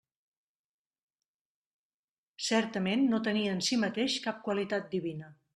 Certament no tenia en si mateix cap qualitat divina.